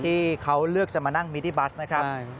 ที่เขาเลือกจะมานั่งมินิบัสนะครับ